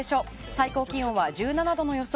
最高気温は１７度の予想。